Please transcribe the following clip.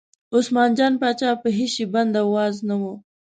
عثمان جان پاچا په هېڅ شي بند او واز نه و.